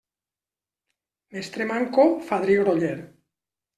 Mestre manco, fadrí groller.